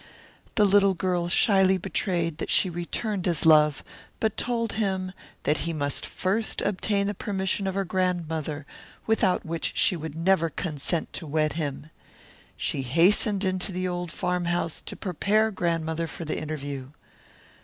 The little girl shyly betrayed that she returned his love but told him that he must first obtain the permission of her grandmother without which she would never consent to wed him. She hastened into the old farmhouse to prepare Grandmother for the interview.